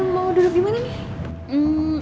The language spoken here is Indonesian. mau duduk dimana nih